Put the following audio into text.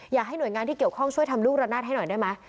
อยากให้หน่วยงานที่เกี่ยวข้องช่วยทำลูกระนาดให้หน่อยได้ไหม